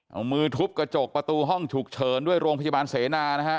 เอามือทุบกระจกประตูห้องฉุกเฉินด้วยโรงพยาบาลเสนานะฮะ